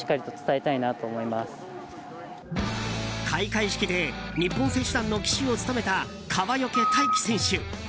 開会式で日本選手団の旗手を務めた川除大輝選手。